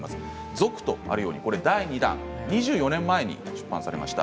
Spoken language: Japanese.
続とあるように第２弾２４年前に出版されました。